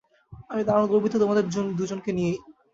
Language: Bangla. আমি দারুণ গর্বিত তোমাদের দুজনকে নিয়েই।